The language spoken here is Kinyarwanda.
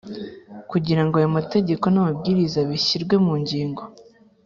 kugirango aya mategeko namabwiriza bishyirwe mungiro